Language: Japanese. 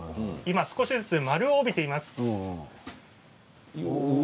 少しずつ丸を帯びています。